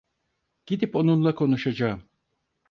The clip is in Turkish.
Gidip onunla konuşacağım.